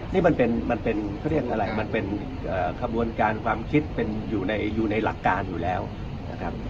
นี่มันเป็นเขาเรียกอะไรมันเป็นขบวนการความคิดเป็นอยู่ในหลักการอยู่แล้วนะครับ